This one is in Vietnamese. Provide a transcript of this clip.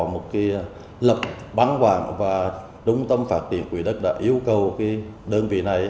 một cái lập bán quản và trung tâm phát triển quỹ đất đã yêu cầu cái đơn vị này